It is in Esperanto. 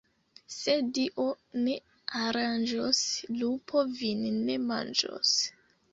Se Dio ne aranĝos, lupo vin ne manĝos.